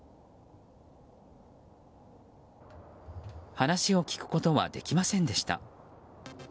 話を聞くことはできませんでした。